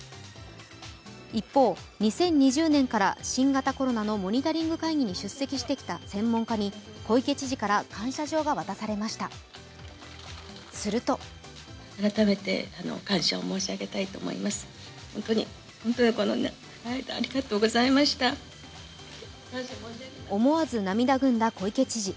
一方、２０２０年から新型コロナのモニタリング会議に出席してきた専門家に小池知事から感謝状が渡されました、すると思わず涙ぐんだ小池知事。